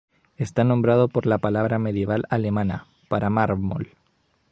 Está nombrado por la palabra medieval alemana para "mármol".